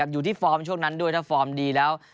ฟอร์มช่วงนั้นด้วยถ้าฟอร์มดีแล้ว